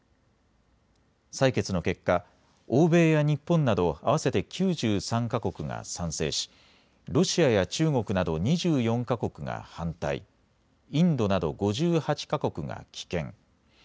採決の結果、欧米や日本など合わせて９３か国が賛成しロシアや中国など２４か国が反対、インドなど５８か国が棄権。